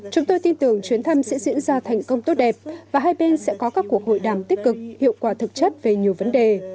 chúng tôi tin tưởng chuyến thăm sẽ diễn ra thành công tốt đẹp và hai bên sẽ có các cuộc hội đàm tích cực hiệu quả thực chất về nhiều vấn đề